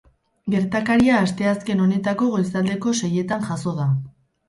Gertakaria asteazken honetako goizaldeko seietan jazo da.